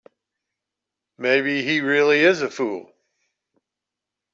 Maybe he really is a fool.